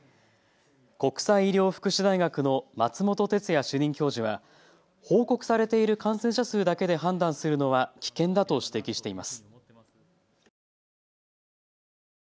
国際医療福祉大学の松本哲哉主任教授は報告されている感染者数だけで判断するのは危険だと指摘しています。